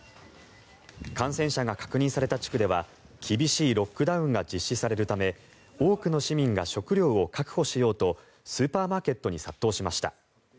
感染者が確認された地区では厳しいロックダウンが実施されるため多くの市民が食料を確保しようとスーパーマーケットに殺到しました。